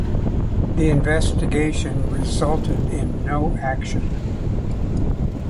The investigation resulted in no action.